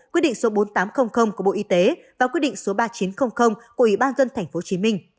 quyết định số bốn nghìn tám trăm linh của bộ y tế và quyết định số ba nghìn chín trăm linh của ủy ban dân thành phố hồ chí minh